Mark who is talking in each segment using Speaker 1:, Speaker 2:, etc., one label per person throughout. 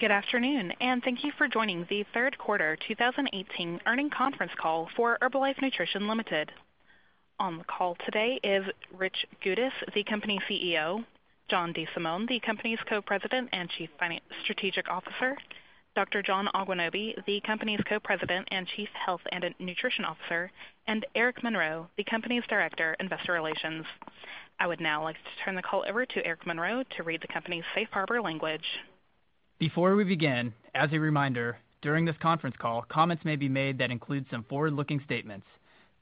Speaker 1: Good afternoon. Thank you for joining the third quarter 2018 earnings conference call for Herbalife Nutrition Ltd. On the call today is Rich Goudis, the company CEO. John DeSimone, the company's Co-President and Chief Strategic Officer. Dr. John Agwunobi, the company's Co-President and Chief Health and Nutrition Officer. Eric Monroe, the company's Director, Investor Relations. I would now like to turn the call over to Eric Monroe to read the company's safe harbor language.
Speaker 2: Before we begin, as a reminder, during this conference call, comments may be made that include some forward-looking statements.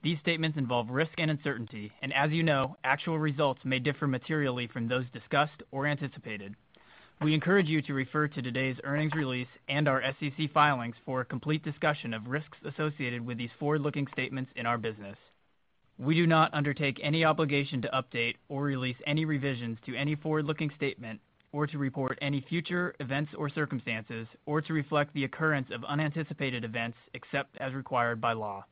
Speaker 2: These statements involve risk and uncertainty, as you know, actual results may differ materially from those discussed or anticipated. We encourage you to refer to today's earnings release and our SEC filings for a complete discussion of risks associated with these forward-looking statements in our business. We do not undertake any obligation to update or release any revisions to any forward-looking statement or to report any future events or circumstances, or to reflect the occurrence of unanticipated events except as required by law.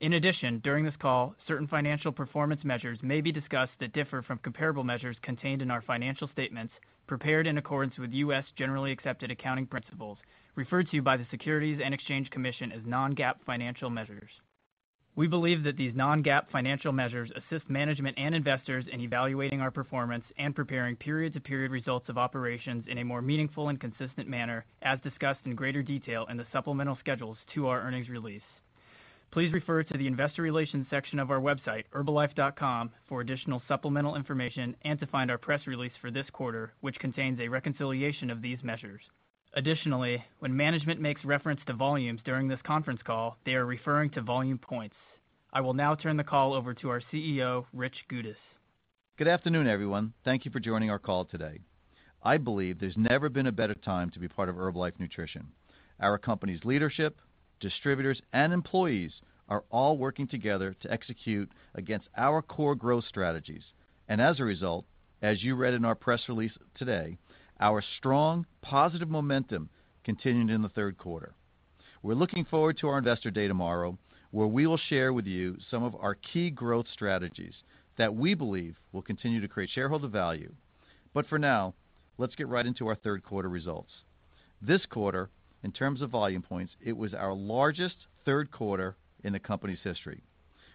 Speaker 2: In addition, during this call, certain financial performance measures may be discussed that differ from comparable measures contained in our financial statements prepared in accordance with U.S. Generally Accepted Accounting Principles, referred to by the Securities and Exchange Commission as non-GAAP financial measures. We believe that these non-GAAP financial measures assist management and investors in evaluating our performance and preparing period-to-period results of operations in a more meaningful and consistent manner, as discussed in greater detail in the supplemental schedules to our earnings release. Please refer to the investor relations section of our website, herbalife.com, for additional supplemental information and to find our press release for this quarter, which contains a reconciliation of these measures. Additionally, when management makes reference to volumes during this conference call, they are referring to Volume Points. I will now turn the call over to our CEO, Rich Goudis.
Speaker 3: Good afternoon, everyone. Thank you for joining our call today. I believe there's never been a better time to be part of Herbalife Nutrition. Our company's leadership, distributors, and employees are all working together to execute against our core growth strategies. As a result, as you read in our press release today, our strong, positive momentum continued in the third quarter. We're looking forward to our Investor Day tomorrow, where we will share with you some of our key growth strategies that we believe will continue to create shareholder value. For now, let's get right into our third quarter results. This quarter, in terms of Volume Points, it was our largest third quarter in the company's history,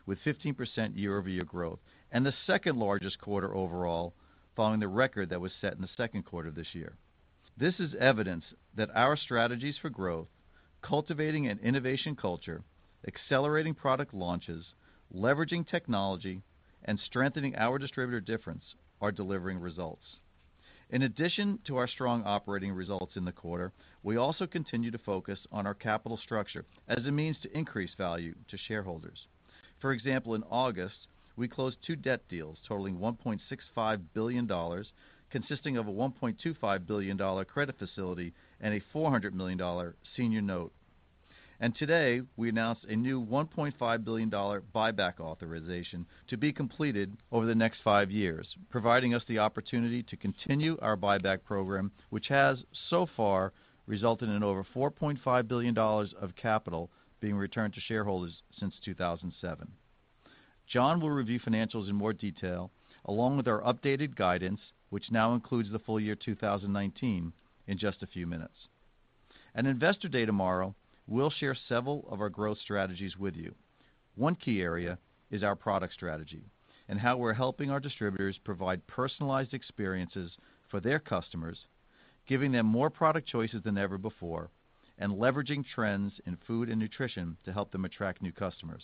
Speaker 3: with 15% year-over-year growth, and the second largest quarter overall following the record that was set in the second quarter this year. This is evidence that our strategies for growth, cultivating an innovation culture, accelerating product launches, leveraging technology, and strengthening our distributor difference are delivering results. In addition to our strong operating results in the quarter, we also continue to focus on our capital structure as a means to increase value to shareholders. For example, in August, we closed two debt deals totaling $1.65 billion, consisting of a $1.25 billion credit facility and a $400 million senior note. Today, we announced a new $1.5 billion buyback authorization to be completed over the next five years, providing us the opportunity to continue our buyback program, which has so far resulted in over $4.5 billion of capital being returned to shareholders since 2007. John will review financials in more detail, along with our updated guidance, which now includes the full year 2019, in just a few minutes. At Investor Day tomorrow, we'll share several of our growth strategies with you. One key area is our product strategy and how we're helping our distributors provide personalized experiences for their customers, giving them more product choices than ever before, and leveraging trends in food and nutrition to help them attract new customers.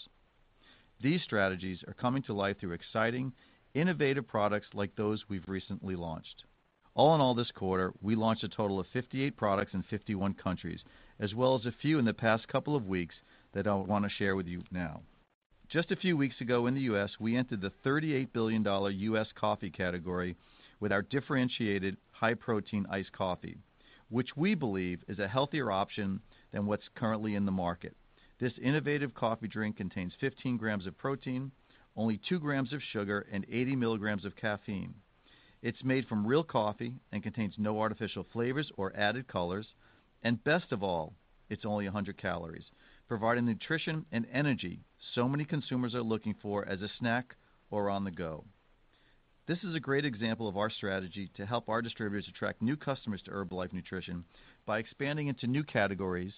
Speaker 3: These strategies are coming to life through exciting, innovative products like those we've recently launched. All in all this quarter, we launched a total of 58 products in 51 countries, as well as a few in the past couple of weeks that I want to share with you now. Just a few weeks ago in the U.S., we entered the $38 billion U.S. coffee category with our differentiated high-protein iced coffee, which we believe is a healthier option than what's currently in the market. This innovative coffee drink contains 15 grams of protein, only two grams of sugar, and 80 milligrams of caffeine. It's made from real coffee and contains no artificial flavors or added colors, and best of all, it's only 100 calories, providing nutrition and energy so many consumers are looking for as a snack or on the go. This is a great example of our strategy to help our distributors attract new customers to Herbalife Nutrition by expanding into new categories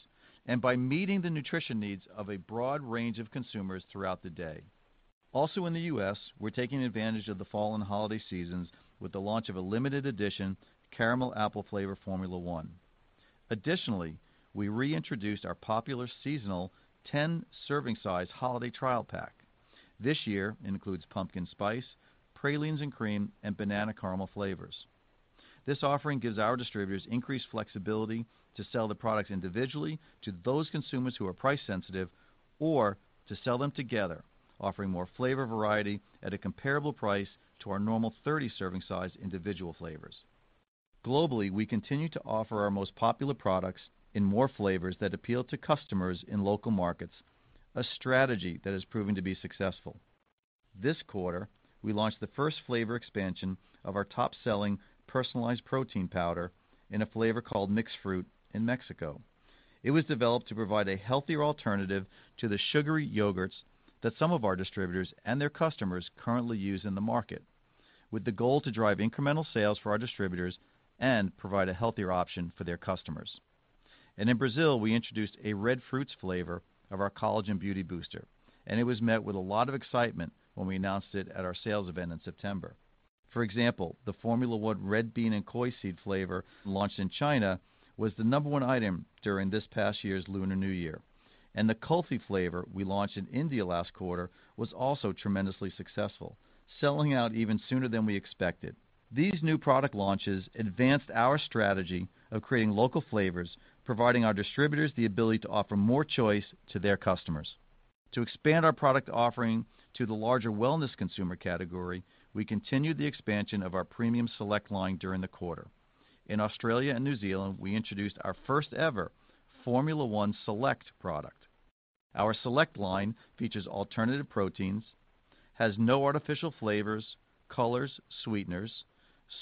Speaker 3: and by meeting the nutrition needs of a broad range of consumers throughout the day. Also in the U.S., we're taking advantage of the fall and holiday seasons with the launch of a limited edition caramel apple flavor Formula 1. Additionally, we reintroduced our popular seasonal 10 serving size holiday trial pack. This year it includes pumpkin spice, pralines and cream, and banana caramel flavors. This offering gives our distributors increased flexibility to sell the products individually to those consumers who are price sensitive, or to sell them together, offering more flavor variety at a comparable price to our normal 30 serving size individual flavors. Globally, we continue to offer our most popular products in more flavors that appeal to customers in local markets, a strategy that has proven to be successful. This quarter, we launched the first flavor expansion of our top-selling Personalized Protein Powder in a flavor called mixed fruit in Mexico. It was developed to provide a healthier alternative to the sugary yogurts that some of our distributors and their customers currently use in the market. With the goal to drive incremental sales for our distributors and provide a healthier option for their customers. In Brazil, we introduced a red fruits flavor of our Collagen Beauty Booster, and it was met with a lot of excitement when we announced it at our sales event in September. For example, the Formula 1 Red Bean and Coix Seed flavor launched in China was the number 1 item during this past year's Lunar New Year, and the Kulfi flavor we launched in India last quarter was also tremendously successful, selling out even sooner than we expected. These new product launches advanced our strategy of creating local flavors, providing our distributors the ability to offer more choice to their customers. To expand our product offering to the larger wellness consumer category, we continued the expansion of our Premium Select line during the quarter. In Australia and New Zealand, we introduced our first-ever Formula 1 Select product. Our Select line features alternative proteins, has no artificial flavors, colors, sweeteners,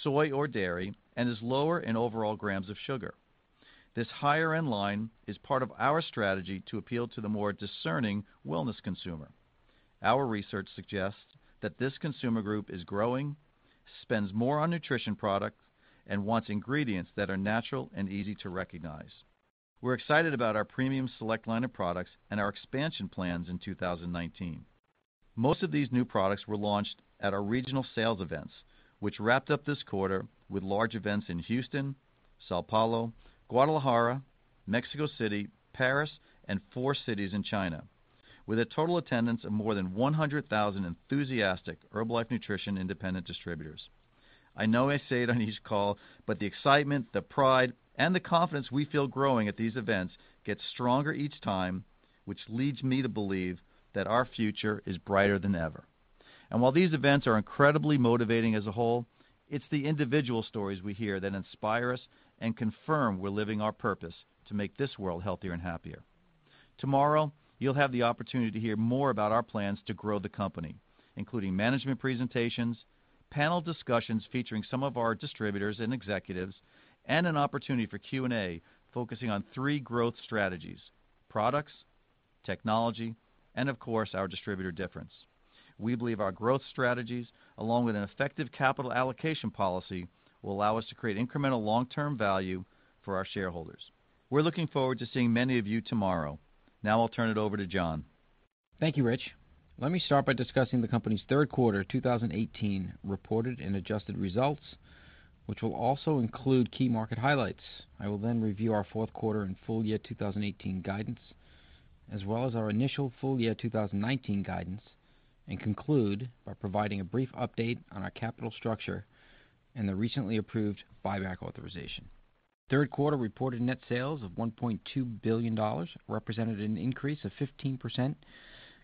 Speaker 3: soy or dairy, and is lower in overall grams of sugar. This higher-end line is part of our strategy to appeal to the more discerning wellness consumer. Our research suggests that this consumer group is growing, spends more on nutrition products, and wants ingredients that are natural and easy to recognize. We're excited about our Premium Select line of products and our expansion plans in 2019. Most of these new products were launched at our regional sales events, which wrapped up this quarter with large events in Houston, São Paulo, Guadalajara, Mexico City, Paris, and four cities in China, with a total attendance of more than 100,000 enthusiastic Herbalife Nutrition independent distributors. I know I say it on each call, the excitement, the pride, and the confidence we feel growing at these events gets stronger each time, which leads me to believe that our future is brighter than ever. While these events are incredibly motivating as a whole, it's the individual stories we hear that inspire us and confirm we're living our purpose to make this world healthier and happier. Tomorrow, you'll have the opportunity to hear more about our plans to grow the company, including management presentations, panel discussions featuring some of our distributors and executives, and an opportunity for Q&A focusing on three growth strategies: products, technology, and of course, our distributor difference. We believe our growth strategies, along with an effective capital allocation policy, will allow us to create incremental long-term value for our shareholders. We're looking forward to seeing many of you tomorrow. I'll turn it over to John.
Speaker 4: Thank you, Rich. Let me start by discussing the company's third quarter 2018 reported and adjusted results, which will also include key market highlights. I will then review our fourth quarter and full year 2018 guidance, as well as our initial full year 2019 guidance, and conclude by providing a brief update on our capital structure and the recently approved buyback authorization. Third quarter reported net sales of $1.2 billion represented an increase of 15%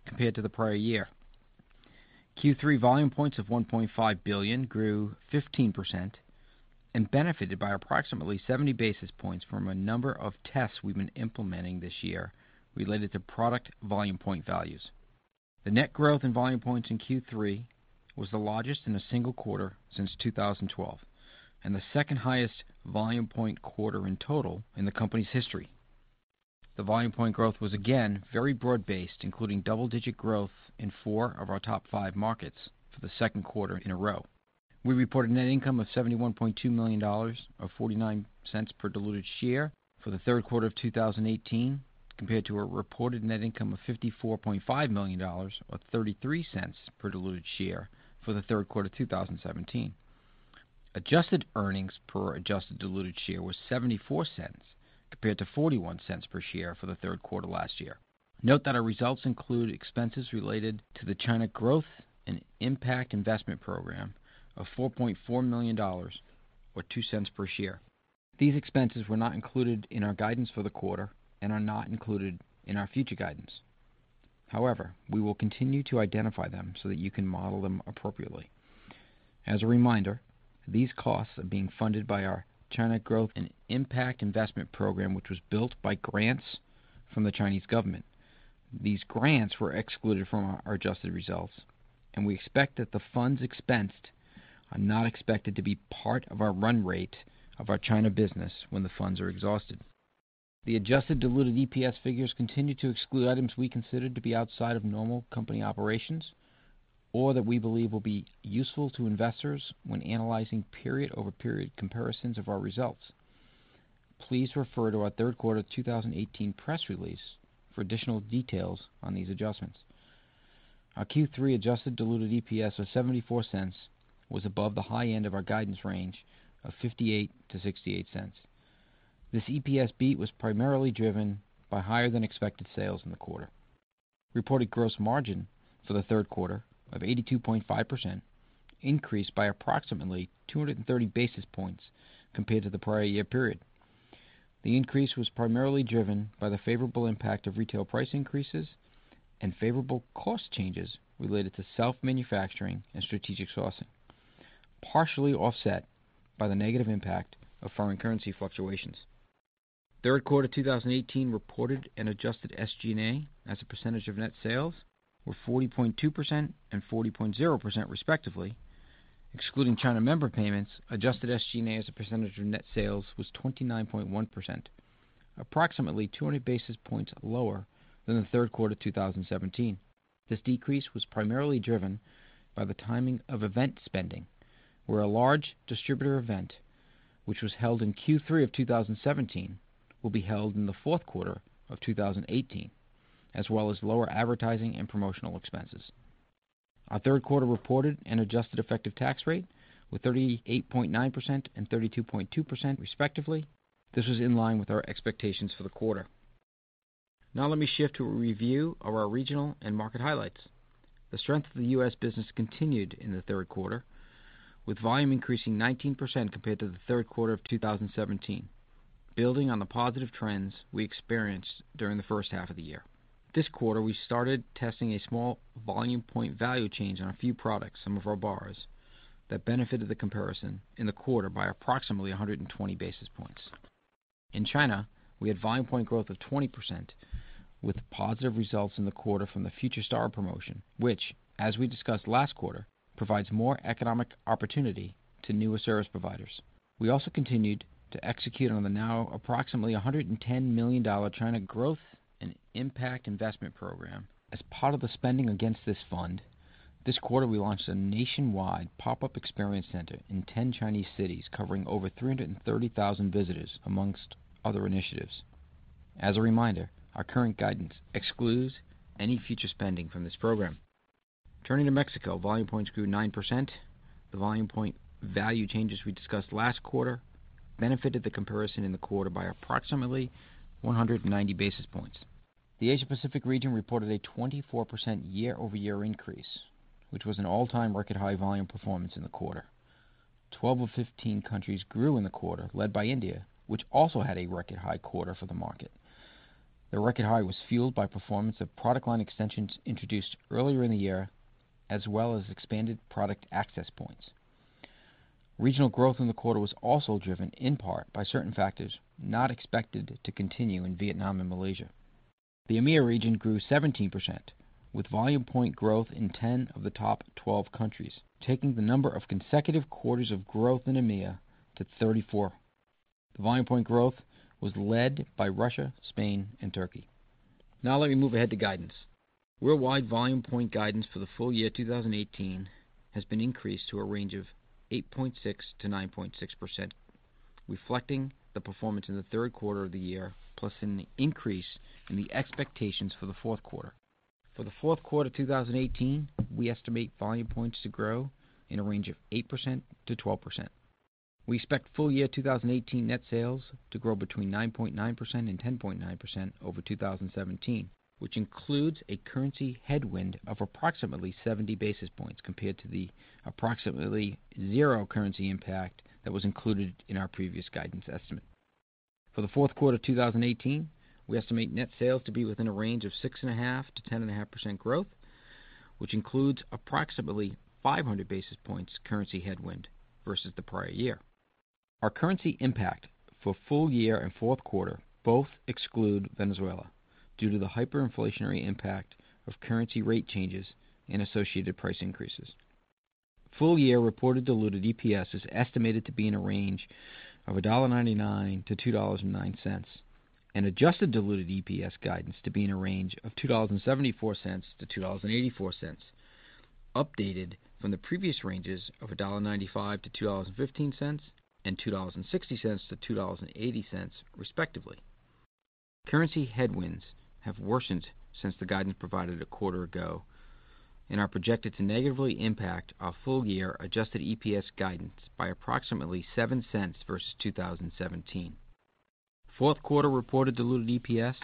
Speaker 4: compared to the prior year. Q3 Volume Points of 1.5 billion grew 15% and benefited by approximately 70 basis points from a number of tests we've been implementing this year related to product Volume Point values. The net growth in Volume Points in Q3 was the largest in a single quarter since 2012, and the second highest Volume Point quarter in total in the company's history. The Volume Point growth was again very broad-based, including double-digit growth in four of our top five markets for the second quarter in a row. We reported net income of $71.2 million, or $0.49 per diluted share for the third quarter of 2018, compared to a reported net income of $54.5 million, or $0.33 per diluted share for the third quarter 2017. Adjusted earnings per adjusted diluted share was $0.74 compared to $0.41 per share for the third quarter last year. Our results include expenses related to the China Growth and Impact Investment Program of $4.4 million, or $0.02 per share. These expenses were not included in our guidance for the quarter and are not included in our future guidance. We will continue to identify them so that you can model them appropriately. As a reminder, these costs are being funded by our China Growth and Impact Investment Program, which was built by grants from the Chinese government. These grants were excluded from our adjusted results, and we expect that the funds expensed are not expected to be part of our run rate of our China business when the funds are exhausted. The adjusted diluted EPS figures continue to exclude items we consider to be outside of normal company operations or that we believe will be useful to investors when analyzing period-over-period comparisons of our results. Please refer to our third quarter 2018 press release for additional details on these adjustments. Our Q3 adjusted diluted EPS of $0.74 was above the high end of our guidance range of $0.58-$0.68. This EPS beat was primarily driven by higher than expected sales in the quarter. Reported gross margin for the third quarter of 82.5% increased by approximately 230 basis points compared to the prior year period. The increase was primarily driven by the favorable impact of retail price increases and favorable cost changes related to self-manufacturing and strategic sourcing, partially offset by the negative impact of foreign currency fluctuations. Third quarter 2018 reported and adjusted SG&A as a percentage of net sales were 40.2% and 40.0% respectively. Excluding China member payments, adjusted SG&A as a percentage of net sales was 29.1%. Approximately 200 basis points lower than the third quarter 2017. This decrease was primarily driven by the timing of event spending, where a large distributor event, which was held in Q3 of 2017, will be held in the fourth quarter of 2018, as well as lower advertising and promotional expenses. Our third quarter reported an adjusted effective tax rate with 38.9% and 32.2% respectively. This was in line with our expectations for the quarter. Let me shift to a review of our regional and market highlights. The strength of the U.S. business continued in the third quarter, with volume increasing 19% compared to the third quarter of 2017, building on the positive trends we experienced during the first half of the year. This quarter, we started testing a small Volume Point value change on a few products, some of our bars, that benefited the comparison in the quarter by approximately 120 basis points. In China, we had Volume Point growth of 20% with positive results in the quarter from the Future Stars promotion, which, as we discussed last quarter, provides more economic opportunity to newer service providers. We also continued to execute on the now approximately $110 million China Growth and Impact Investment Program. As part of the spending against this fund, this quarter, we launched a nationwide pop-up experience center in 10 Chinese cities, covering over 330,000 visitors amongst other initiatives. As a reminder, our current guidance excludes any future spending from this program. Turning to Mexico, Volume Points grew 9%. The Volume Point value changes we discussed last quarter benefited the comparison in the quarter by approximately 190 basis points. The Asia-Pacific region reported a 24% year-over-year increase, which was an all-time record high volume performance in the quarter. 12 of 15 countries grew in the quarter, led by India, which also had a record high quarter for the market. The record high was fueled by performance of product line extensions introduced earlier in the year, as well as expanded product access points. Regional growth in the quarter was also driven in part by certain factors not expected to continue in Vietnam and Malaysia. The EMEA region grew 17%, with Volume Point growth in 10 of the top 12 countries, taking the number of consecutive quarters of growth in EMEA to 34. The Volume Point growth was led by Russia, Spain, and Turkey. Let me move ahead to guidance. Worldwide Volume Point guidance for the full year 2018 has been increased to a range of 8.6%-9.6%, reflecting the performance in the third quarter of the year, plus an increase in the expectations for the fourth quarter. For the fourth quarter 2018, we estimate Volume Points to grow in a range of 8%-12%. We expect full year 2018 net sales to grow between 9.9% and 10.9% over 2017, which includes a currency headwind of approximately 70 basis points compared to the approximately zero currency impact that was included in our previous guidance estimate. For the fourth quarter 2018, we estimate net sales to be within a range of 6.5%-10.5% growth, which includes approximately 500 basis points currency headwind versus the prior year. Our currency impact for full year and fourth quarter both exclude Venezuela due to the hyperinflationary impact of currency rate changes and associated price increases. Full year reported diluted EPS is estimated to be in a range of $1.99-$2.09, and adjusted diluted EPS guidance to be in a range of $2.74-$2.84, updated from the previous ranges of $1.95-$2.15 and $2.60-$2.80, respectively. Currency headwinds have worsened since the guidance provided a quarter ago and are projected to negatively impact our full-year adjusted EPS guidance by approximately $0.07 versus 2017. Fourth quarter reported diluted EPS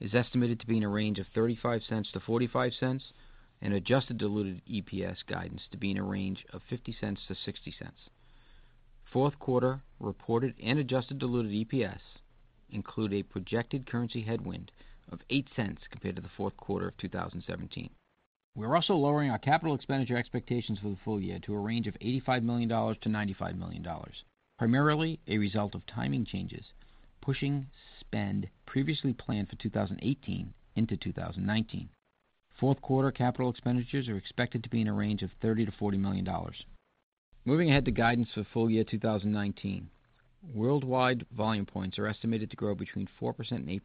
Speaker 4: is estimated to be in a range of $0.35-$0.45, and adjusted diluted EPS guidance to be in a range of $0.50-$0.60. Fourth quarter reported and adjusted diluted EPS include a projected currency headwind of $0.08 compared to the fourth quarter of 2017. We're also lowering our capital expenditure expectations for the full year to a range of $85 million-$95 million, primarily a result of timing changes, pushing spend previously planned for 2018 into 2019. Fourth quarter capital expenditures are expected to be in a range of $30 million-$40 million. Moving ahead to guidance for full year 2019. Worldwide Volume Points are estimated to grow between 4% and 8%,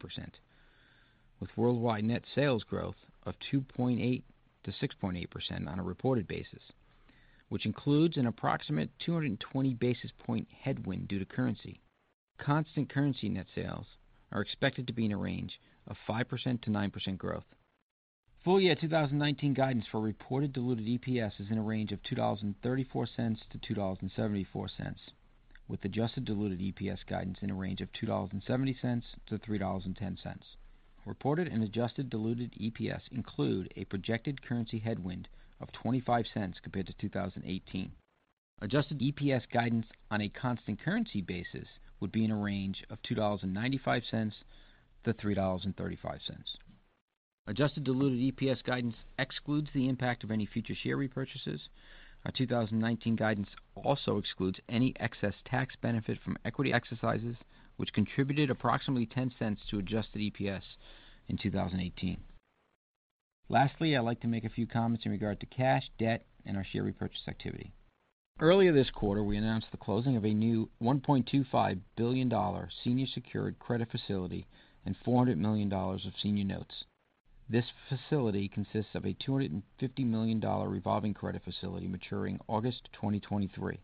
Speaker 4: with worldwide net sales growth of 2.8%-6.8% on a reported basis, which includes an approximate 220 basis point headwind due to currency. Constant currency net sales are expected to be in a range of 5%-9% growth. Full year 2019 guidance for reported diluted EPS is in a range of $2.34-$2.74, with adjusted diluted EPS guidance in a range of $2.70-$3.10. Reported and adjusted diluted EPS include a projected currency headwind of $0.25 compared to 2018. Adjusted EPS guidance on a constant currency basis would be in a range of $2.95-$3.35. Adjusted diluted EPS guidance excludes the impact of any future share repurchases. Our 2019 guidance also excludes any excess tax benefit from equity exercises, which contributed approximately $0.10 to adjusted EPS in 2018. Lastly, I'd like to make a few comments in regard to cash, debt, and our share repurchase activity. Earlier this quarter, we announced the closing of a new $1.25 billion senior secured credit facility and $400 million of senior notes. This facility consists of a $250 million revolving credit facility maturing August 2023,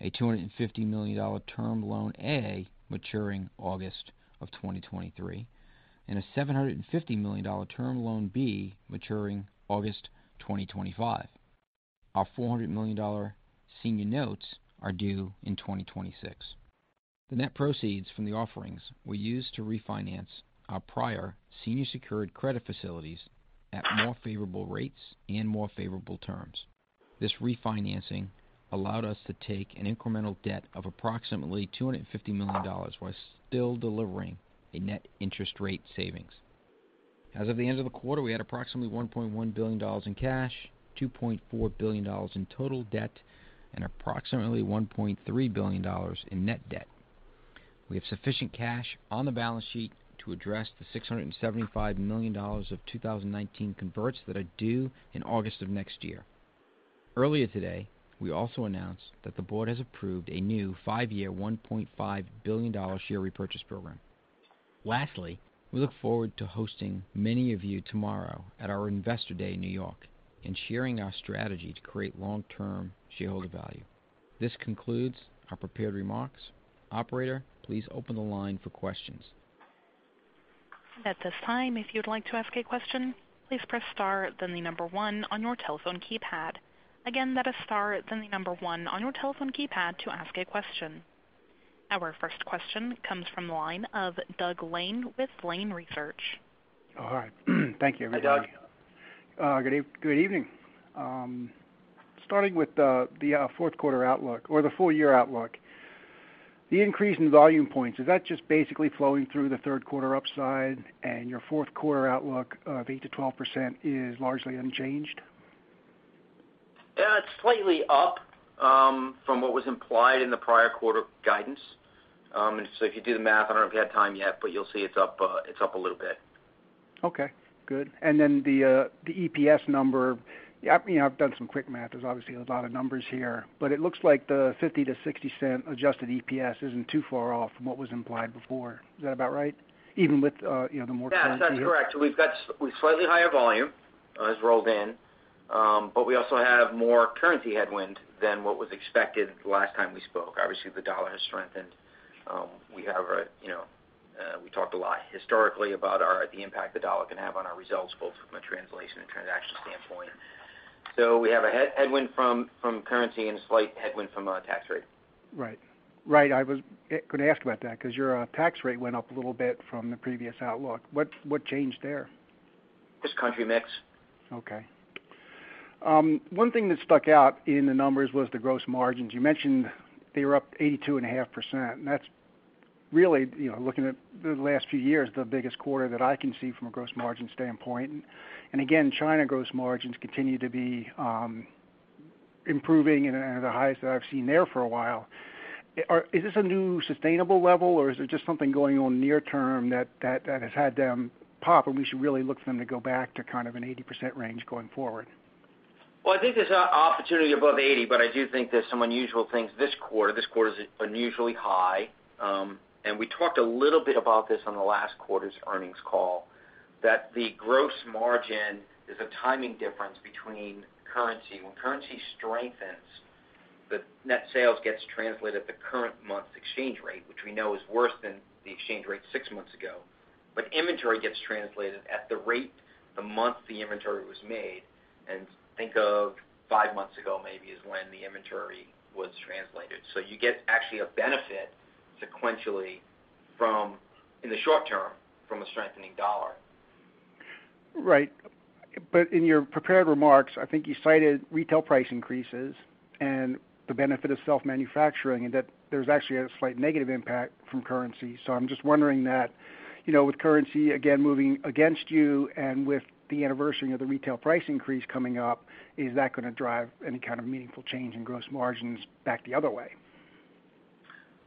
Speaker 4: a $250 million term loan A maturing August of 2023, and a $750 million term loan B maturing August 2025. Our $400 million senior notes are due in 2026. The net proceeds from the offerings were used to refinance our prior senior secured credit facilities at more favorable rates and more favorable terms. This refinancing allowed us to take an incremental debt of approximately $250 million while still delivering a net interest rate savings. As of the end of the quarter, we had approximately $1.1 billion in cash, $2.4 billion in total debt, and approximately $1.3 billion in net debt. We have sufficient cash on the balance sheet to address the $675 million of 2019 converts that are due in August of next year. Earlier today, we also announced that the board has approved a new five-year, $1.5 billion share repurchase program. Lastly, we look forward to hosting many of you tomorrow at our Investor Day New York and sharing our strategy to create long-term shareholder value. This concludes our prepared remarks. Operator, please open the line for questions.
Speaker 1: At this time, if you'd like to ask a question, please press star, then the number one on your telephone keypad. Again, that is star, then the number one on your telephone keypad to ask a question. Our first question comes from the line of Doug Lane with Lane Research.
Speaker 5: All right. Thank you, everybody.
Speaker 4: Hi, Doug.
Speaker 5: Good evening. Starting with the fourth quarter outlook or the full-year outlook. The increase in Volume Points, is that just basically flowing through the third quarter upside and your fourth quarter outlook of 8%-12% is largely unchanged?
Speaker 4: It's slightly up from what was implied in the prior quarter guidance. If you do the math, I don't know if you had time yet, but you'll see it's up a little bit.
Speaker 5: Okay, good. The EPS number. I've done some quick math, there's obviously a lot of numbers here, but it looks like the $0.50-$0.60 adjusted EPS isn't too far off from what was implied before. Is that about right? Even with the more currency here.
Speaker 4: Yeah, that's correct. We've slightly higher volume has rolled in, we also have more currency headwind than what was expected the last time we spoke. Obviously, the dollar has strengthened. We talked a lot historically about the impact the dollar can have on our results, both from a translation and transaction standpoint. We have a headwind from currency and a slight headwind from a tax rate.
Speaker 5: Right. I was going to ask about that because your tax rate went up a little bit from the previous outlook. What changed there?
Speaker 4: Just country mix.
Speaker 5: Okay. One thing that stuck out in the numbers was the gross margins. You mentioned they were up 82.5%, and that's really, looking at the last few years, the biggest quarter that I can see from a gross margin standpoint. Again, China gross margins continue to be improving and the highest that I've seen there for a while. Is this a new sustainable level, or is it just something going on near term that has had them pop, and we should really look for them to go back to kind of an 80% range going forward?
Speaker 4: Well, I think there's opportunity above 80, but I do think there's some unusual things this quarter. This quarter is unusually high. We talked a little bit about this on the last quarter's earnings call, that the gross margin is a timing difference between currency. When currency strengthens, the net sales gets translated at the current month's exchange rate, which we know is worse than the exchange rate six months ago. Inventory gets translated at the rate the month the inventory was made, and think of five months ago maybe is when the inventory was translated. You get actually a benefit sequentially in the short term from a strengthening dollar.
Speaker 5: Right. In your prepared remarks, I think you cited retail price increases and the benefit of self-manufacturing, and that there's actually a slight negative impact from currency. I'm just wondering that, with currency, again, moving against you and with the anniversary of the retail price increase coming up, is that going to drive any kind of meaningful change in gross margins back the other way?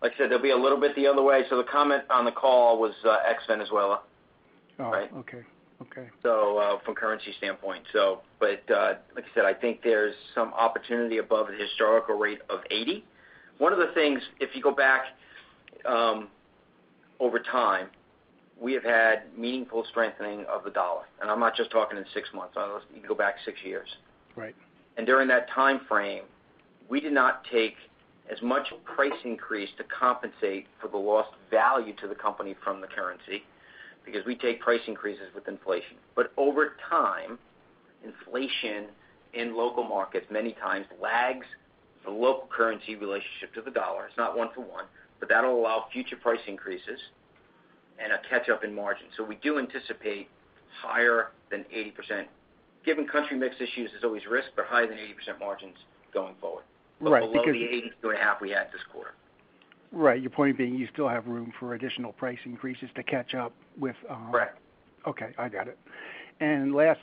Speaker 4: Like I said, there'll be a little bit the other way. The comment on the call was ex Venezuela.
Speaker 5: Oh, okay.
Speaker 4: From currency standpoint. Like I said, I think there's some opportunity above the historical rate of 80%. One of the things, if you go back over time, we have had meaningful strengthening of the dollar. I'm not just talking in six months. You can go back six years.
Speaker 5: Right.
Speaker 4: During that time frame, we did not take as much price increase to compensate for the lost value to the company from the currency, because we take price increases with inflation. Over time, inflation in local markets many times lags the local currency relationship to the dollar. It's not one for one, but that'll allow future price increases and a catch-up in margins. We do anticipate higher than 80%. Given country mix issues, there's always risk, but higher than 80% margins going forward.
Speaker 5: Right.
Speaker 4: Below the 82.5% we had this quarter
Speaker 5: Right. Your point being you still have room for additional price increases to catch up.
Speaker 4: Correct.
Speaker 5: Okay, I got it. Last,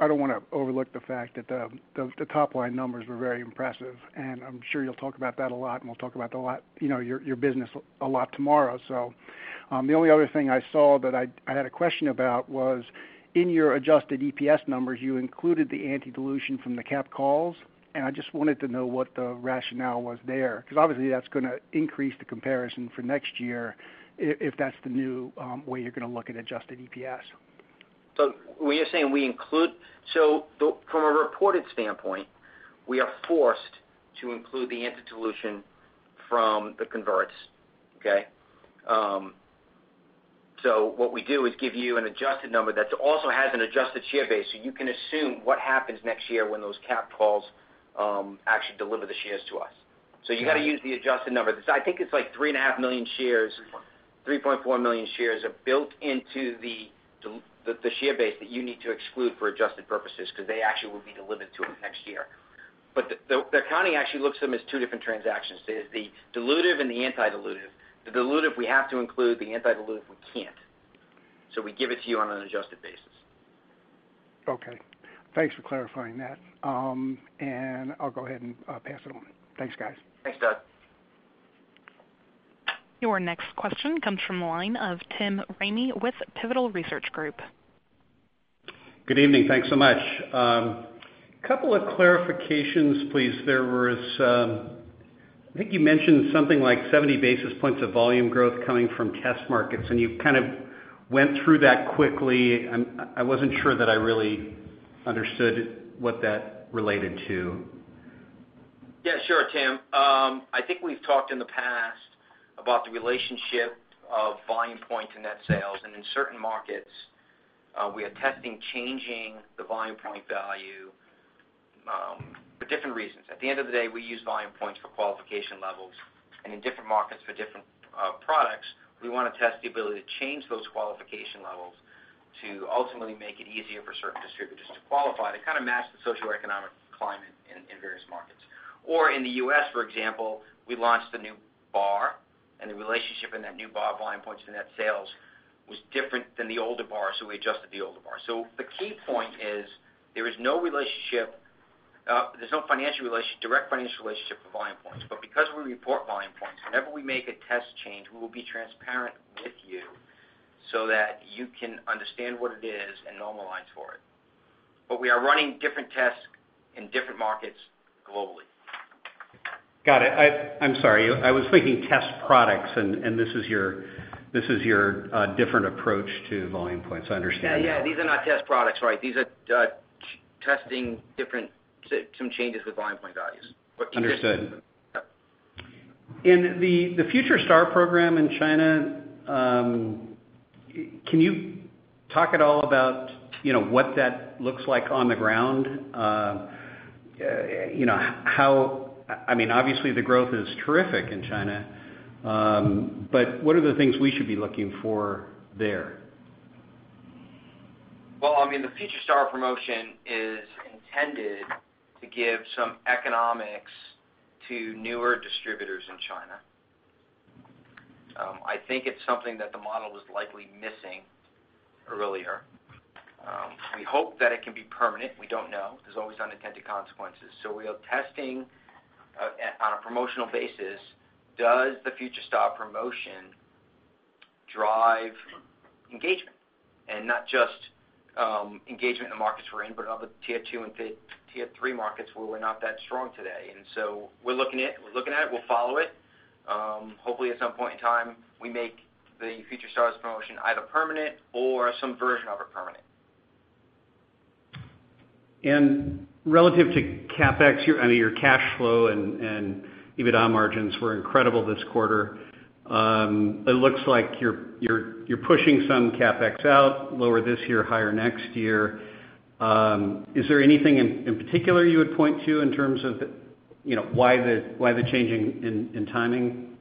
Speaker 5: I don't want to overlook the fact that the top-line numbers were very impressive, and I'm sure you'll talk about that a lot, and we'll talk about your business a lot tomorrow. The only other thing I saw that I had a question about was, in your adjusted EPS numbers, you included the anti-dilution from the cap calls, and I just wanted to know what the rationale was there. Obviously, that's going to increase the comparison for next year if that's the new way you're going to look at adjusted EPS.
Speaker 3: From a reported standpoint, we are forced to include the anti-dilution from the converts. Okay? What we do is give you an adjusted number that also has an adjusted share base, so you can assume what happens next year when those cap calls actually deliver the shares to us. You got to use the adjusted number. I think it's like 3.5 million shares-
Speaker 5: 3.4
Speaker 3: 3.4 million shares are built into the share base that you need to exclude for adjusted purposes because they actually will be delivered to us next year. The accounting actually looks at them as two different transactions, there's the dilutive and the anti-dilutive. The dilutive we have to include, the anti-dilutive we can't. We give it to you on an adjusted basis.
Speaker 5: Okay. Thanks for clarifying that. I'll go ahead and pass it on. Thanks, guys.
Speaker 4: Thanks, Doug.
Speaker 1: Your next question comes from the line of Tim Ramey with Pivotal Research Group.
Speaker 6: Good evening. Thanks so much. Couple of clarifications, please. I think you mentioned something like 70 basis points of Volume Points growth coming from test markets, you kind of went through that quickly. I wasn't sure that I really understood what that related to.
Speaker 3: Yeah, sure, Tim. I think we've talked in the past about the relationship of Volume Points to net sales. In certain markets, we are testing changing the Volume Points value for different reasons. At the end of the day, we use Volume Points for qualification levels. In different markets for different products, we want to test the ability to change those qualification levels to ultimately make it easier for certain distributors to qualify, to kind of match the socioeconomic climate in various markets. In the U.S., for example, we launched a new bar, and the relationship in that new bar Volume Points to net sales was different than the older bar, we adjusted the older bar. The key point is there's no direct financial relationship with Volume Points. Because we report Volume Points, whenever we make a test change, we will be transparent with you so that you can understand what it is and normalize for it. We are running different tests in different markets globally.
Speaker 6: Got it. I'm sorry. I was thinking test products, and this is your different approach to Volume Points. I understand now.
Speaker 3: Yeah. These are not test products. Right. These are testing some changes with Volume Points values.
Speaker 6: Understood.
Speaker 3: Yeah.
Speaker 6: In the Future Stars program in China, can you talk at all about what that looks like on the ground? Obviously, the growth is terrific in China. What are the things we should be looking for there?
Speaker 3: Well, the Future Stars promotion is intended to give some economics to newer distributors in China. I think it's something that the model was likely missing earlier. We hope that it can be permanent. We don't know. There's always unintended consequences. We are testing on a promotional basis, does the Future Stars promotion drive engagement? Not just engagement in the markets we're in, but other tier 2 and tier 3 markets where we're not that strong today. We're looking at it. We'll follow it. Hopefully, at some point in time, we make the Future Stars promotion either permanent or some version of it permanent.
Speaker 6: Relative to CapEx, I know your cash flow and EBITDA margins were incredible this quarter. It looks like you're pushing some CapEx out, lower this year, higher next year. Is there anything in particular you would point to in terms of why the changing in timing?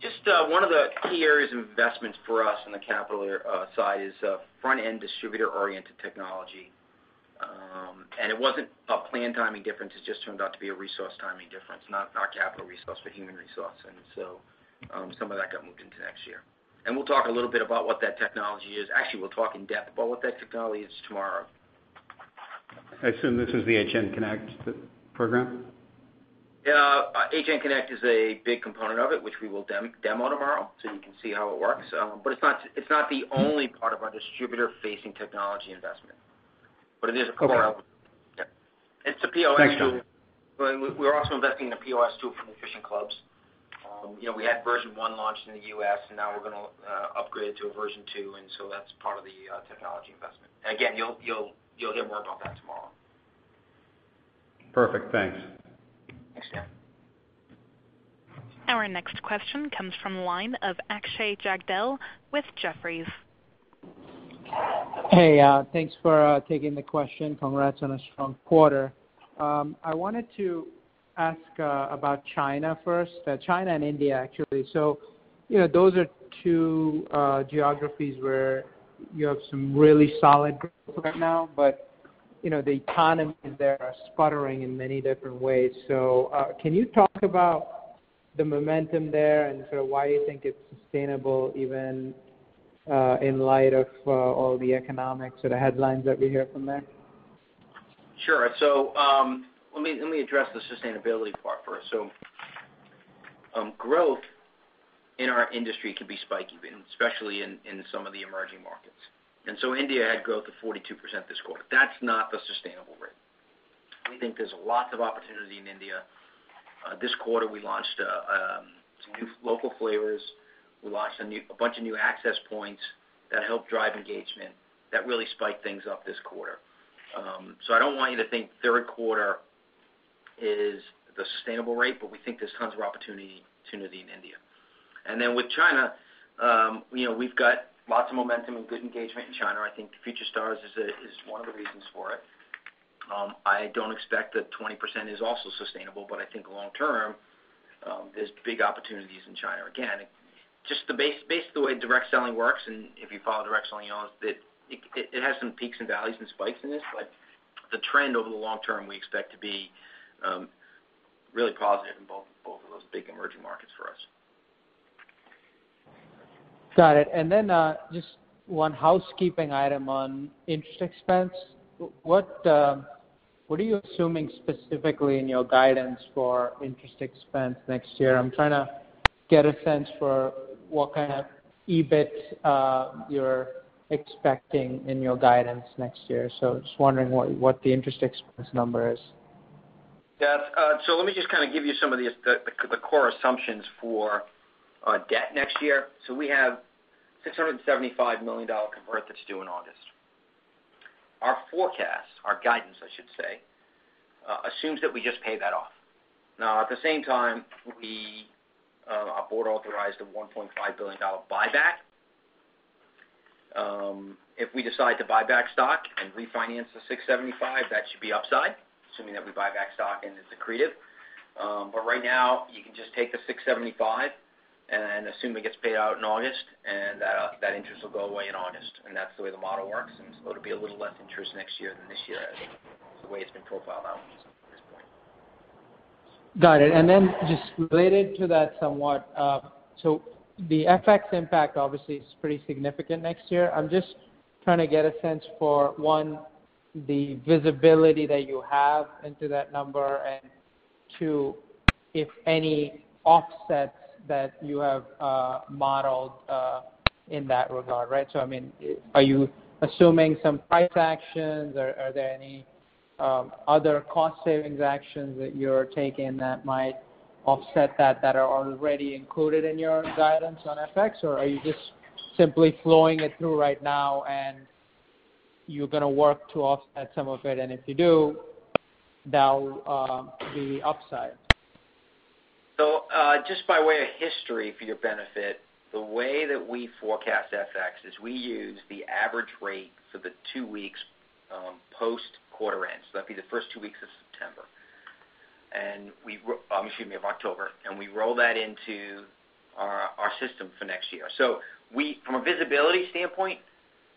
Speaker 3: Just one of the key areas of investments for us on the capital side is front-end distributor-oriented technology. It wasn't a plan timing difference. It just turned out to be a resource timing difference. Not capital resource, but human resource. So some of that got moved into next year. We'll talk a little bit about what that technology is. Actually, we'll talk in depth about what that technology is tomorrow.
Speaker 6: I assume this is the Agent Connect program?
Speaker 3: Yeah. Agent Connect is a big component of it, which we will demo tomorrow, so you can see how it works. It's not the only part of our distributor-facing technology investment. It is a component.
Speaker 6: Okay.
Speaker 3: Yeah. It's a POS tool.
Speaker 6: Thanks, John.
Speaker 3: We're also investing in a POS tool from the nutrition clubs. We had version 1 launched in the U.S. Now we're going to upgrade to a version 2. That's part of the technology investment. Again, you'll hear more about that tomorrow.
Speaker 6: Perfect. Thanks.
Speaker 3: Thanks, Tim.
Speaker 1: Our next question comes from the line of Akshay Jagdale with Jefferies.
Speaker 7: Hey, thanks for taking the question. Congrats on a strong quarter. I wanted to ask about China first. China and India, actually. Those are two geographies where you have some really solid growth right now, but the economy there are sputtering in many different ways. Can you talk about the momentum there and why you think it's sustainable even in light of all the economics or the headlines that we hear from there?
Speaker 3: Sure. Let me address the sustainability part first. Growth in our industry can be spiky, especially in some of the emerging markets. India had growth of 42% this quarter. That's not the sustainable rate. We think there's lots of opportunity in India. This quarter, we launched some new local flavors. We launched a bunch of new access points that help drive engagement, that really spiked things up this quarter. I don't want you to think third quarter is the sustainable rate, but we think there's tons of opportunity in India. With China, we've got lots of momentum and good engagement in China. I think Future Stars is one of the reasons for it. I don't expect that 20% is also sustainable, but I think long term, there's big opportunities in China. Again, just based on the way direct selling works, and if you follow direct selling at all, it has some peaks and valleys and spikes in this, but the trend over the long term, we expect to be really positive in both of those big emerging markets for us.
Speaker 7: Got it. Just one housekeeping item on interest expense. What are you assuming specifically in your guidance for interest expense next year? I'm trying to get a sense for what kind of EBIT you're expecting in your guidance next year. Just wondering what the interest expense number is.
Speaker 3: Let me just kind of give you some of the core assumptions for our debt next year. We have $675 million convert that's due in August. Our forecast, our guidance I should say, assumes that we just pay that off. Now at the same time, our board authorized a $1.5 billion buyback. If we decide to buy back stock and refinance the 675, that should be upside, assuming that we buy back stock and it's accretive. Right now you can just take the 675 and assume it gets paid out in August, and that interest will go away in August. That's the way the model works, there'll be a little less interest next year than this year as the way it's been profiled out at this point.
Speaker 7: Got it. Just related to that somewhat, so the FX impact obviously is pretty significant next year. I'm just trying to get a sense for, one, the visibility that you have into that number, and two, if any offsets that you have modeled in that regard. I mean, are you assuming some price actions? Are there any other cost savings actions that you're taking that might offset that are already included in your guidance on FX? Are you just simply flowing it through right now and you're going to work to offset some of it? If you do, that'll be upside.
Speaker 3: Just by way of history for your benefit, the way that we forecast FX is we use the average rate for the 2 weeks post-quarter end. That'd be the first 2 weeks of September. Excuse me, of October. We roll that into our system for next year. From a visibility standpoint,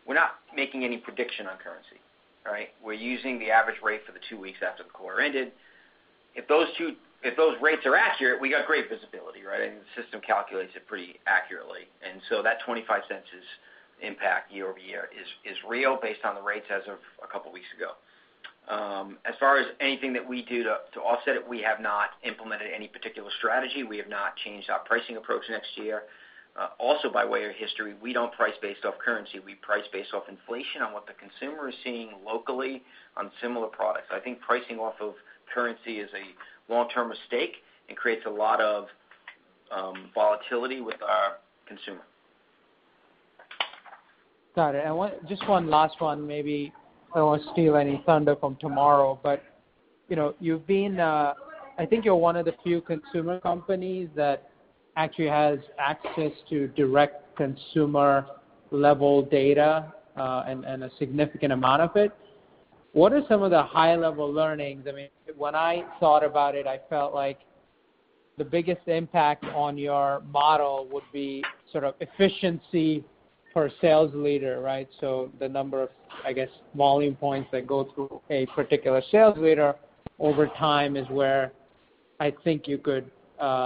Speaker 3: we're not making any prediction on currency. We're using the average rate for the 2 weeks after the quarter ended. If those rates are accurate, we got great visibility. The system calculates it pretty accurately. That $0.25 impact year-over-year is real based on the rates as of a couple of weeks ago. As far as anything that we do to offset it, we have not implemented any particular strategy. We have not changed our pricing approach next year. Also by way of history, we don't price based off currency. We price based off inflation on what the consumer is seeing locally on similar products. I think pricing off of currency is a long-term mistake. It creates a lot of volatility with our consumer.
Speaker 7: Got it. Just 1 last one, maybe I don't want to steal any thunder from tomorrow, but I think you're one of the few consumer companies that actually has access to direct consumer-level data, and a significant amount of it. What are some of the high-level learnings? I mean, when I thought about it, I felt like the biggest impact on your model would be sort of efficiency per sales leader. The number of, I guess, Volume Points that go through a particular sales leader over time is where I think you could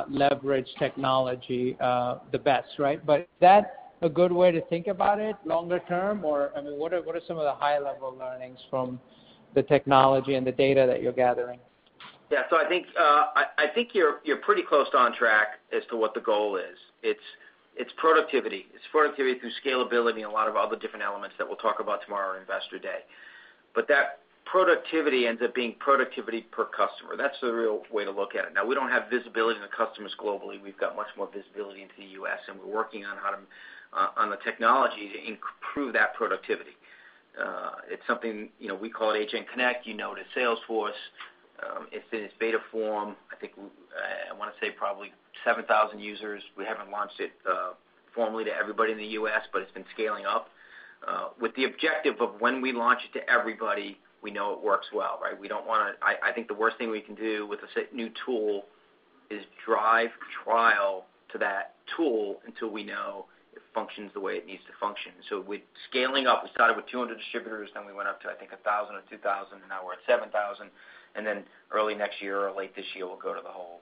Speaker 7: leverage technology the best. Is that a good way to think about it longer term? Or, I mean, what are some of the high-level learnings from the technology and the data that you're gathering?
Speaker 3: Yeah. I think you're pretty close to on track as to what the goal is. It's productivity. It's productivity through scalability and a lot of other different elements that we'll talk about tomorrow at Investor Day. That productivity ends up being productivity per customer. That's the real way to look at it. Now, we don't have visibility into customers globally. We've got much more visibility into the U.S., and we're working on the technology to improve that productivity. It's something, we call it Agent Connect, you know it as Salesforce. It's in its beta form. I think, I want to say probably 7,000 users. We haven't launched it formally to everybody in the U.S., but it's been scaling up, with the objective of when we launch it to everybody, we know it works well. I think the worst thing we can do with a new tool is drive trial to that tool until we know it functions the way it needs to function. With scaling up, we started with 200 distributors, then we went up to, I think, 1,000 or 2,000, and now we're at 7,000. Early next year or late this year, we'll go to the whole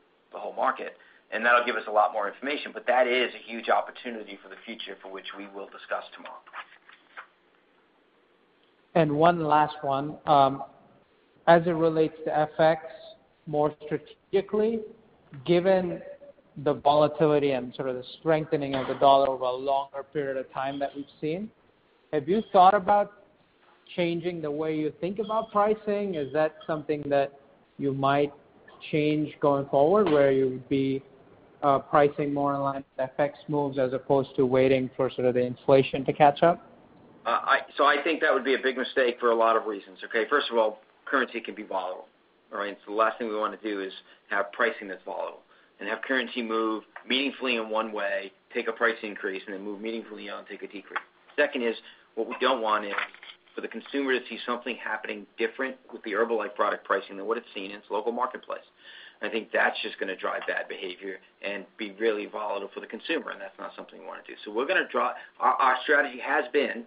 Speaker 3: market, and that'll give us a lot more information. That is a huge opportunity for the future, for which we will discuss tomorrow.
Speaker 7: One last one. As it relates to FX more strategically, given the volatility and sort of the strengthening of the dollar over a longer period of time that we've seen, have you thought about changing the way you think about pricing? Is that something that you might change going forward, where you would be pricing more along FX moves as opposed to waiting for sort of the inflation to catch up?
Speaker 3: I think that would be a big mistake for a lot of reasons. Okay? First of all, currency can be volatile. All right? The last thing we want to do is have pricing that's volatile and have currency move meaningfully in one way, take a price increase, then move meaningfully on, take a decrease. Second is, what we don't want is for the consumer to see something happening different with the Herbalife product pricing than what it's seen in its local marketplace. I think that's just going to drive bad behavior and be really volatile for the consumer, and that's not something we want to do. Our strategy has been,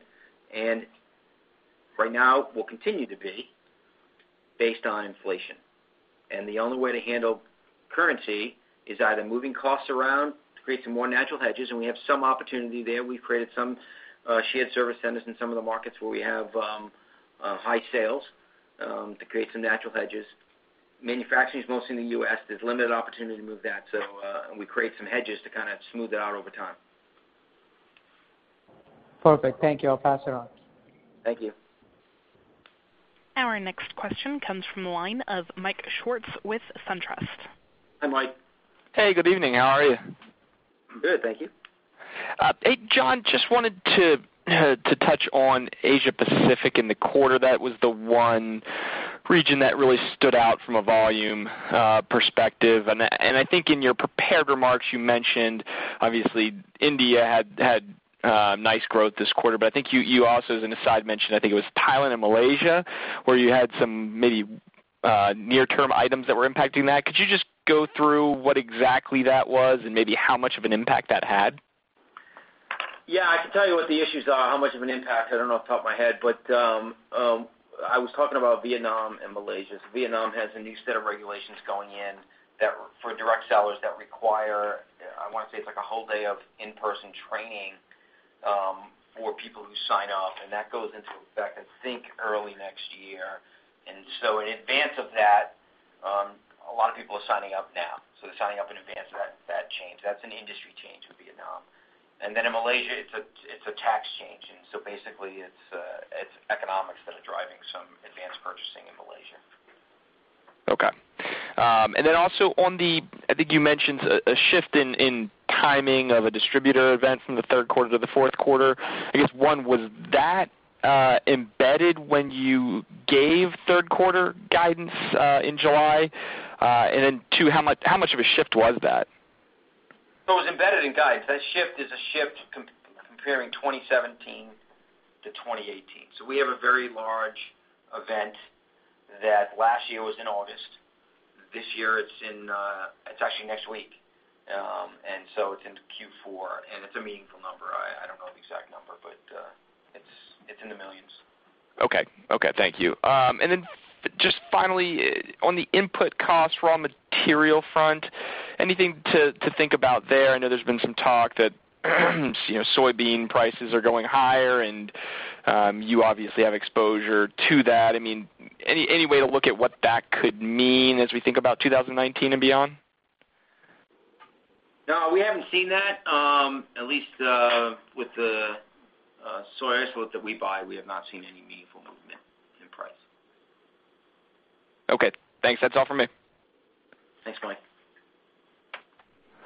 Speaker 3: and right now will continue to be based on inflation. The only way to handle currency is either moving costs around to create some more natural hedges, and we have some opportunity there. We've created some shared service centers in some of the markets where we have high sales to create some natural hedges. Manufacturing is mostly in the U.S. There's limited opportunity to move that. We create some hedges to kind of smooth it out over time.
Speaker 7: Perfect. Thank you. I'll pass it on.
Speaker 3: Thank you.
Speaker 1: Our next question comes from the line of Michael Swartz with SunTrust.
Speaker 3: Hi, Mike.
Speaker 8: Hey, good evening. How are you?
Speaker 3: I'm good, thank you.
Speaker 8: Hey, John, just wanted to touch on Asia Pacific in the quarter. That was the one region that really stood out from a volume perspective. I think in your prepared remarks, you mentioned, obviously India had nice growth this quarter, but I think you also, as an aside mention, I think it was Thailand and Malaysia, where you had some maybe near-term items that were impacting that. Could you just go through what exactly that was and maybe how much of an impact that had?
Speaker 4: I can tell you what the issues are. How much of an impact, I don't know off the top of my head, I was talking about Vietnam and Malaysia. Vietnam has a new set of regulations going in for direct sellers that require, I want to say it's like a whole day of in-person training for people who sign up, and that goes into effect, I think, early next year. In advance of that, a lot of people are signing up now. They're signing up in advance of that change. That's an industry change in Vietnam. In Malaysia, it's a tax change. Basically, it's economics that are driving some advanced purchasing in Malaysia.
Speaker 8: Okay. Also on the, I think you mentioned a shift in timing of a distributor event from the third quarter to the fourth quarter. I guess, one, was that embedded when you gave third quarter guidance in July? Two, how much of a shift was that?
Speaker 3: It was embedded in guides. That shift is a shift comparing 2017 to 2018. We have a very large event that last year was in August. This year it's actually next week. It's into Q4, and it's a meaningful number. I don't know the exact number, but it's in the millions.
Speaker 8: Okay. Thank you. Just finally, on the input cost raw material front, anything to think about there? I know there's been some talk that soybean prices are going higher, and you obviously have exposure to that. Any way to look at what that could mean as we think about 2019 and beyond?
Speaker 3: No, we haven't seen that. At least with the soy isolate that we buy, we have not seen any meaningful movement in price.
Speaker 8: Okay, thanks. That's all for me.
Speaker 3: Thanks, Mike.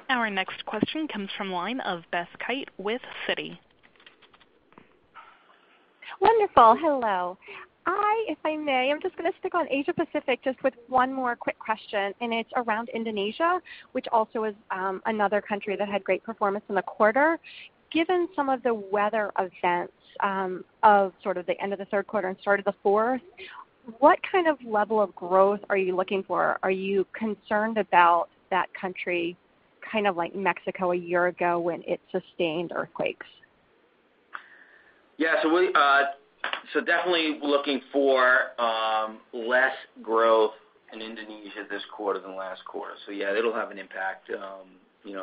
Speaker 1: Our next question comes from line of Beth Kite with Citi.
Speaker 9: Wonderful. Hello. If I may, I'm just going to stick on Asia Pacific just with one more quick question. It's around Indonesia, which also is another country that had great performance in the quarter. Given some of the weather events of sort of the end of the third quarter and start of the fourth, what kind of level of growth are you looking for? Are you concerned about that country, kind of like Mexico a year ago when it sustained earthquakes?
Speaker 3: Yeah. Definitely looking for less growth in Indonesia this quarter than last quarter. Yeah, it'll have an impact. It's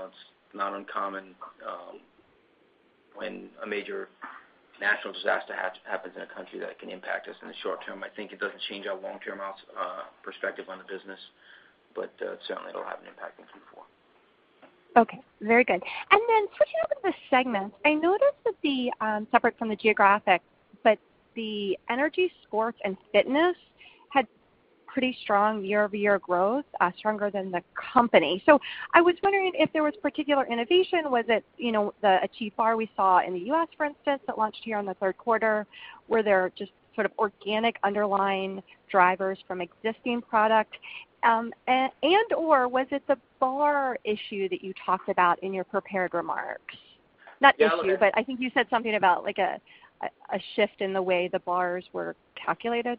Speaker 3: not uncommon when a major natural disaster happens in a country that can impact us in the short term. I think it doesn't change our long term perspective on the business, certainly it'll have an impact in Q4.
Speaker 9: Okay, very good. Switching over to the segments, I noticed that the, separate from the geographics, the energy sports and fitness had pretty strong year-over-year growth, stronger than the company. I was wondering if there was particular innovation. Was it an Achieve Protein Bar we saw in the U.S., for instance, that launched here on the third quarter? Were there just sort of organic underlying drivers from existing product? Was it the bar issue that you talked about in your prepared remarks? Not this year, I think you said something about a shift in the way the bars were calculated.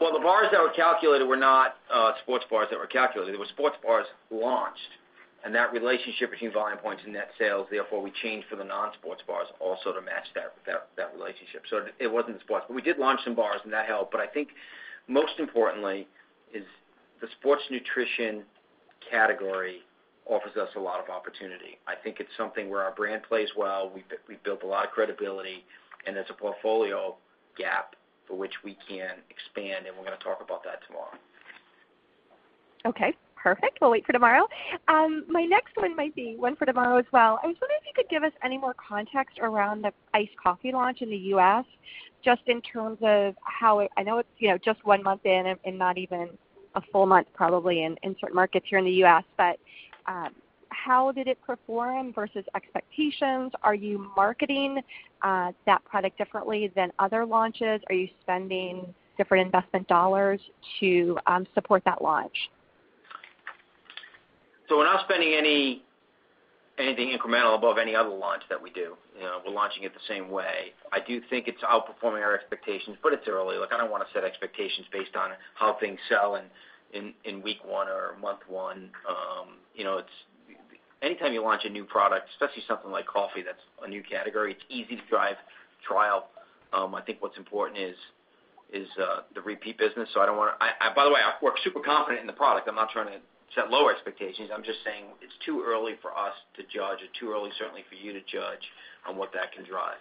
Speaker 3: The bars that were calculated were not sports bars that were calculated. It was sports bars launched, that relationship between Volume Points and net sales, therefore, we changed for the non-sports bars also to match that relationship. It wasn't sports. We did launch some bars, that helped, I think most importantly is the sports nutrition category offers us a lot of opportunity. I think it's something where our brand plays well, we've built a lot of credibility, there's a portfolio gap for which we can expand, we're going to talk about that tomorrow.
Speaker 9: Okay, perfect. We'll wait for tomorrow. My next one might be one for tomorrow as well. I was wondering if you could give us any more context around the iced coffee launch in the U.S., just in terms of I know it's just one month in, not even a full month, probably, in certain markets here in the U.S., how did it perform versus expectations? Are you marketing that product differently than other launches? Are you spending different investment dollars to support that launch?
Speaker 3: We're not spending anything incremental above any other launch that we do. We're launching it the same way. I do think it's outperforming our expectations, but it's early. Look, I don't want to set expectations based on how things sell in week one or month one. Anytime you launch a new product, especially something like coffee, that's a new category, it's easy to drive trial. I think what's important is the repeat business. By the way, we're super confident in the product. I'm not trying to set low expectations. I'm just saying it's too early for us to judge, or too early, certainly, for you to judge on what that can drive.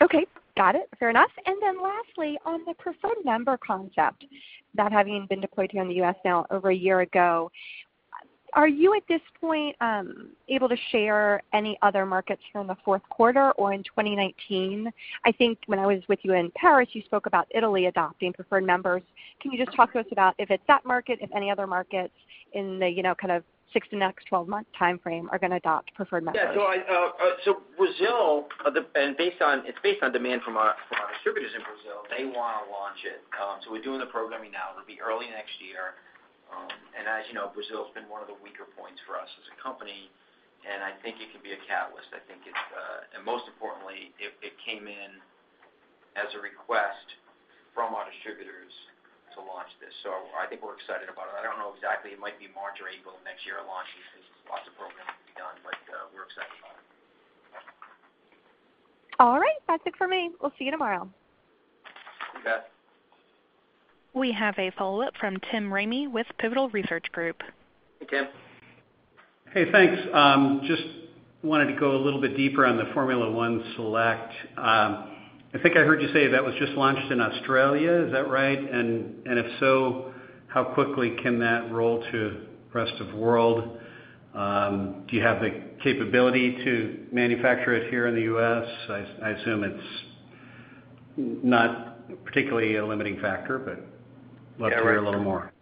Speaker 9: Okay. Got it. Fair enough. Lastly, on the Preferred Member concept, that having been deployed here in the U.S. now over a year ago, are you at this point able to share any other markets from the fourth quarter or in 2019? I think when I was with you in Paris, you spoke about Italy adopting Preferred Members. Can you just talk to us about if it's that market, if any other markets in the six to next 12-month timeframe are going to adopt Preferred Members?
Speaker 3: Yeah. Brazil, and it's based on demand from our distributors in Brazil, they want to launch it. We're doing the programming now. It'll be early next year. As you know, Brazil's been one of the weaker points for us as a company, and I think it can be a catalyst. Most importantly, it came in as a request from our distributors to launch this. I think we're excited about it. I don't know exactly. It might be March or April of next year, launching, because there's lots of programming to be done, but we're excited about it.
Speaker 9: All right. That's it for me. We'll see you tomorrow.
Speaker 3: Okay.
Speaker 1: We have a follow-up from Tim Ramey with Pivotal Research Group.
Speaker 3: Hey, Tim.
Speaker 6: Hey, thanks. Just wanted to go a little bit deeper on the Formula 1 Select. I think I heard you say that was just launched in Australia. Is that right? If so, how quickly can that roll to rest of world? Do you have the capability to manufacture it here in the U.S.? I assume it's not particularly a limiting factor, but love to hear a little more.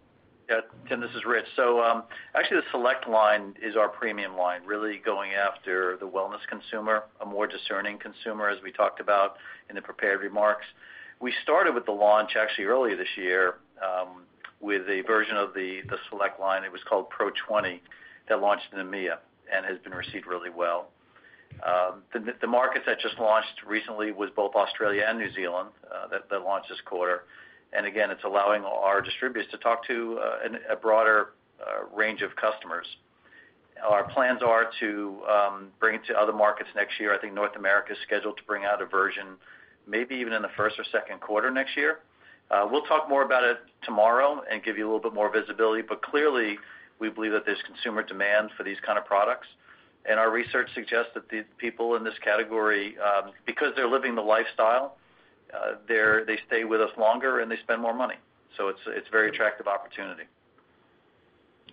Speaker 3: Yeah, Tim, this is Rich. Actually, the Select line is our premium line, really going after the wellness consumer, a more discerning consumer, as we talked about in the prepared remarks. We started with the launch actually earlier this year with a version of the Select line. It was called PRO 20 Select that launched in EMEA and has been received really well. The markets that just launched recently was both Australia and New Zealand that launched this quarter. Again, it's allowing our distributors to talk to a broader range of customers. Our plans are to bring it to other markets next year. I think North America is scheduled to bring out a version maybe even in the first or second quarter next year. We'll talk more about it tomorrow and give you a little bit more visibility. Clearly, we believe that there's consumer demand for these kind of products, and our research suggests that the people in this category, because they're living the lifestyle, they stay with us longer, and they spend more money. It's a very attractive opportunity.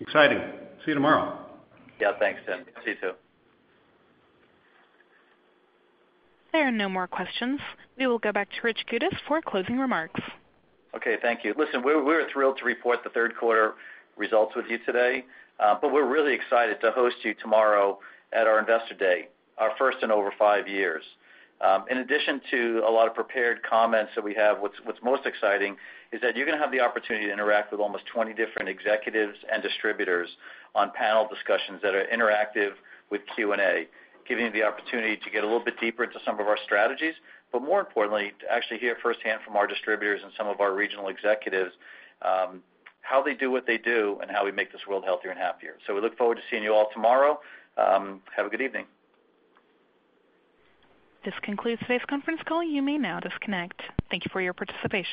Speaker 6: Exciting. See you tomorrow.
Speaker 3: Yeah, thanks, Tim. See you, too.
Speaker 1: There are no more questions. We will go back to Rich Goudis for closing remarks.
Speaker 3: Okay, thank you. Listen, we're thrilled to report the third quarter results with you today. We're really excited to host you tomorrow at our Investor Day, our first in over five years. In addition to a lot of prepared comments that we have, what's most exciting is that you're going to have the opportunity to interact with almost 20 different executives and distributors on panel discussions that are interactive with Q&A, giving you the opportunity to get a little bit deeper into some of our strategies, but more importantly, to actually hear first-hand from our distributors and some of our regional executives how they do what they do and how we make this world healthier and happier. We look forward to seeing you all tomorrow. Have a good evening.
Speaker 1: This concludes today's conference call. You may now disconnect. Thank you for your participation.